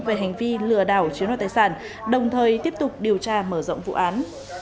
về hành vi lừa đảo chiếu nội tài sản đồng thời tiếp tục điều tra mở rộng vụ án